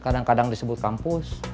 kadang kadang disebut kampus